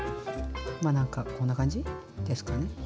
まあなんかこんな感じですかね。